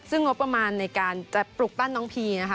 ซึ่งงบประมาณในการจะปลุกปั้นน้องพีนะคะ